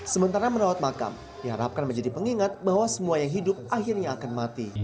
sementara merawat makam diharapkan menjadi pengingat bahwa semua yang hidup akhirnya akan mati